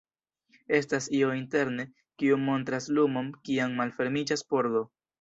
Estas io interne, kiu montras lumon kiam malfermiĝas pordo.